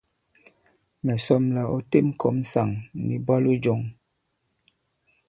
Mɛ̀ sɔm la ɔ têm ɔ kɔ̄m ŋsàŋ nì ìbwalo jɔ̄ŋ.